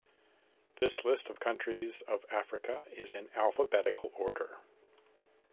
This list of countries of Africa is in alphabetical order.